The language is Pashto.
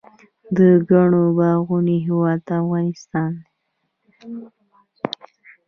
د ګڼو باغونو هیواد افغانستان.